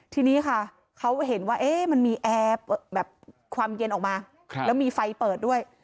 ทีนี้เขาเห็นว่ามีแอร์ความเย็นและไฟเปิด